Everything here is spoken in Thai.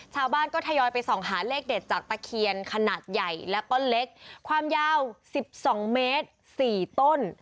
ชาวบ้านก็ทยอยไปส่องหาเลขเด็ดจากตะเคียนขนาดใหญ่และต้นเล็กความยาว๑๒เมตร๔ต้น